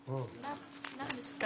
何ですか？